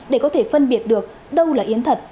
để có thể phân biệt được đâu là yến thật